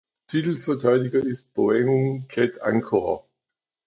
Titelverteidiger ist Boeung Ket Angkor.